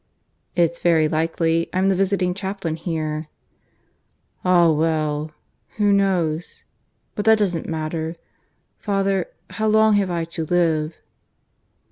"It's very likely. I'm the visiting chaplain here." "Ah well! Who knows ? But that doesn't matter. ... Father, how long have I to live?"